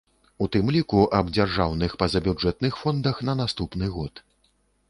У тым ліку аб дзяржаўных пазабюджэтных фондах на наступны год.